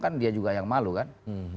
kan dia juga yang malu kan